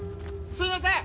すいません！